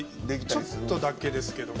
ちょっとだけですけど。